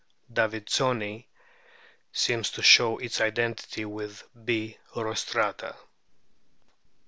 davidsoni seems to show its identity with B. rostrata.